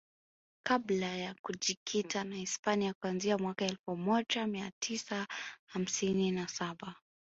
kabla ya kujikita na Hispania kuanzia mwaka elfu moja mia tisa hamsini na saba